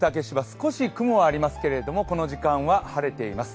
少し雲がありますけれども、この時間は晴れています。